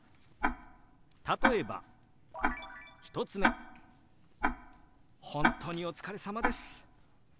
例えば１つ目「本当にお疲れさまです」。